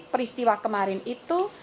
peristiwa kemarin itu